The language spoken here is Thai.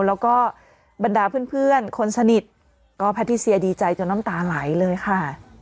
แล้วก็บรรดาเพื่อนคนสนิทก็แพทิเซียดีใจจนน้ำตาไหลเลยค่ะ